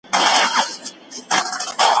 فکري وضاحت د پېچلو افکارو په پرتله ژر درک کېږي.